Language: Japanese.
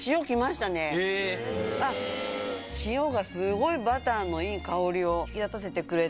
あっ塩がすごいバターのいい香りを引き立たせてくれて。